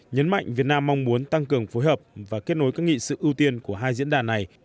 nhấn mạnh việt nam mong muốn tăng cường phối hợp và kết nối các nghị sự ưu tiên của hai diễn đàn này